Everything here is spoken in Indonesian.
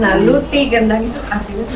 nah luti gendang itu sebenarnya apa sih